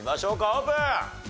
オープン！